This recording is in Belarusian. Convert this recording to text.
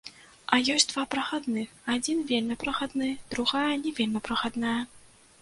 А ёсць два прахадных, адзін вельмі прахадны, другая не вельмі прахадная.